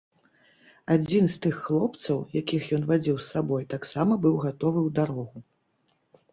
Адзін з тых хлопцаў, якіх ён вадзіў з сабой, таксама быў гатовы ў дарогу.